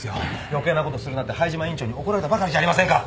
余計なことするなって灰島院長に怒られたばかりじゃありませんか。